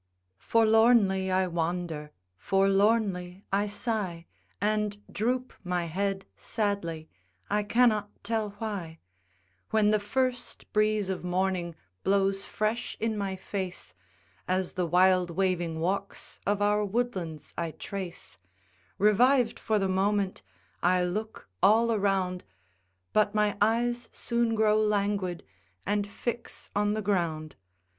Forlornly I wander, forlornly I sigh, And droop my head sadly, I cannot tell why: When the first breeze of morning blows fresh in my face, As the wild waving walks of our woodlands I trace, Reviv'd for the moment I look all around, But my eyes soon grow languid, and fix on the ground.